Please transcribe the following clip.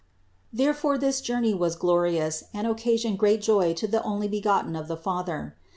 Therefore this journey was glorious and occasioned great joy to the Onlybegotten of the Father.